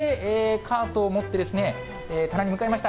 そしてカートを持って、棚に向かいました。